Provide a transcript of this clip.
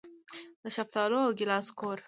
د شفتالو او ګیلاس کور.